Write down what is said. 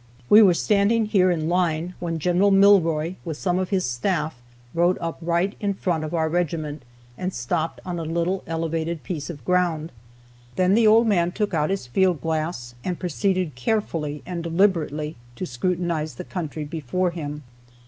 We were standing here in line when Gen. Milroy with some of his staff rode up right in front of our regiment, and stopped on a little elevated piece of ground. Then the old man took out his field glass, and proceeded carefully and deliberately to scrutinize the country before him.